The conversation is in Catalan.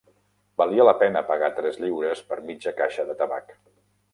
Valia la pena pagar tres lliures per mitja caixa de tabac.